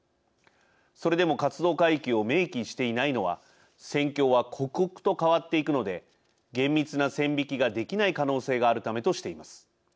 それでも活動海域を明記していないのは戦況は刻々と変わっていくので厳密な線引きができない可能性があるためとしています。